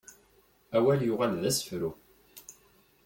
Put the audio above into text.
Awal yuɣal d asefru.